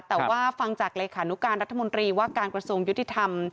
แต่ว่าฟังจากรัฐมนตรีว่าการกระทรวงยุทธิธรรม